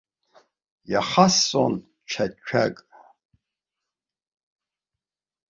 Иахасҵон ҽа цәак.